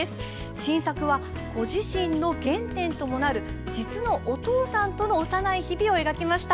新作はご自身の原点ともなる実のお父さんとの幼い日々を描きました。